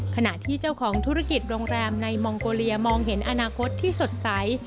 ขณะที่เจ้าของธุรกิจโรงแรมในมองโกเลียมองเห็นอนาคตที่สดใส